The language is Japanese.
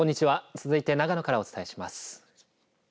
続いて長野からお伝えします。